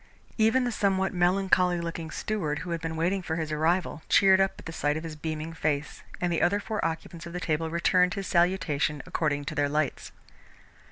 Even the somewhat melancholy looking steward, who had been waiting for his arrival, cheered up at the sight of his beaming face, and the other four occupants of the table returned his salutation according to their lights.